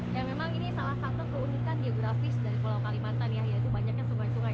di sini airnya cukup keras jadi kita nggak bisa seberangin sungai